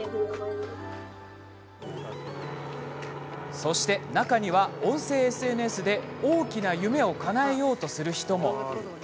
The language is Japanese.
そして中には音声ＳＮＳで大きな夢をかなえようとする人も。